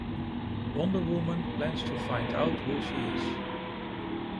Wonder Woman plans to find out who she is.